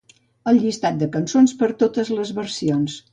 El llistat de cançons per a totes les versions.